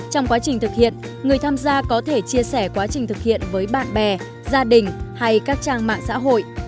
trong quá trình thực hiện người tham gia có thể chia sẻ quá trình thực hiện với bạn bè gia đình hay các trang mạng xã hội